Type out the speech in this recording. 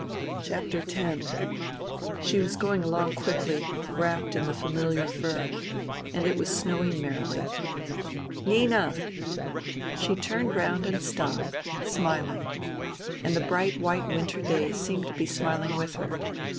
INTERVENING IN SIBERIA 191 IX She was going along quickly, ^vrapped in the familiar fur ; and it was snowing merrily. " Nina I " She turned round and stopped, smiling. And the bright white winter day seemed to be smiling with her.